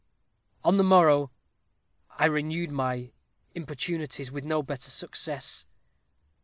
"On the morrow I renewed my importunities, with no better success.